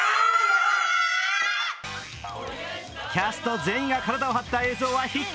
キャスト全員が体を張った映像は必見。